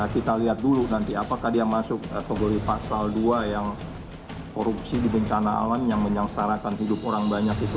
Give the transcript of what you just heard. kita lihat dulu nanti apakah dia masuk kategori pasal dua yang korupsi di bencana alam yang menyangsarakan hidup orang banyak itu